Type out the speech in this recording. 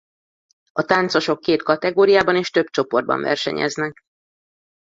A táncosok két kategóriában és több csoportban versenyeznek.